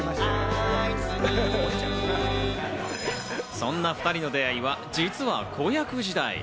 そんな２人の出会いは実は子役時代。